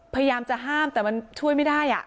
พยายามจะห้ามแต่มันช่วยไม่ได้